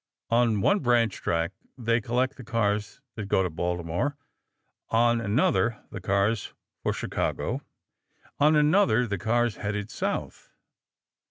On one branch track, they collect the cars that go to Baltimore; on another, the cars for Chicago; on another, the cars headed south.